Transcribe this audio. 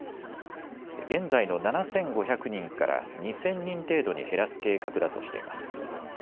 現在の７５００人から２０００人程度に減らす計画だとしています。